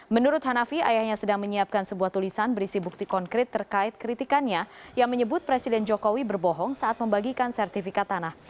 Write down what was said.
menurut hanafi ayahnya sedang menyiapkan sebuah tulisan berisi bukti konkret terkait kritikannya yang menyebut presiden jokowi berbohong saat membagikan sertifikat tanah